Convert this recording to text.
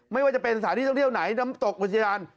ไม่ว่าจะเป็นสถานที่ท่องเที่ยวไหนน้ำตกอุทยาน